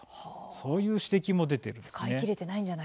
そういう指摘も出ているんですね。